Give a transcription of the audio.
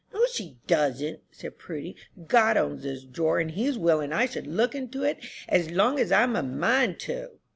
"No, she doesn't," said Prudy, "God owns this drawer, and he's willing I should look into it as long as I'm a mind to."